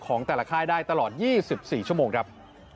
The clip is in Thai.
ของแต่ละค่ายได้ตลอด๒๔ชั่วโมงครับ